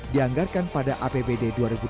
dianggarkan pada apbd dua ribu delapan belas